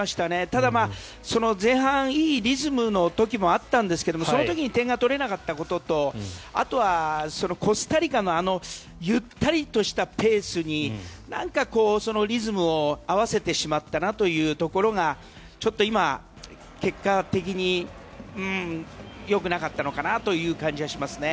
ただ、前半いいリズムの時もあったんですがその時に点が取れなかったこととあとはコスタリカのゆったりとしたペースになんかリズムを合わせてしまったなというところがちょっと今、結果的によくなかったのかなという感じはしますね。